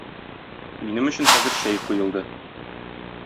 Минем өчен хәзер чәй куелды.